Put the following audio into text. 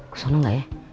kesana gak ya